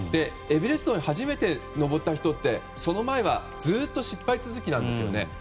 エベレストに初めて登った人ってその前は、ずっと失敗続きなんですよね。